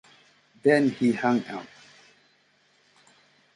Then he hung up.